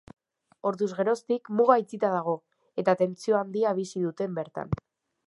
Orduz geroztik muga itxita dago eta tentsio handia bizi dute bertan.